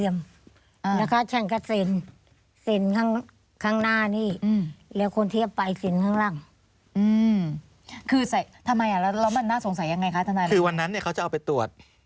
ไม่ใช่ใส่กระดาษทุ่งกระดาษ